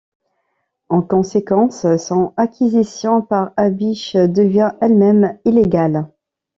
En conséquence, son acquisition par Habich devient elle-même illégale.